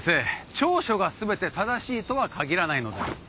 調書が全て正しいとは限らないのだよ